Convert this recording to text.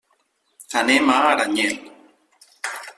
Anem a Aranyel.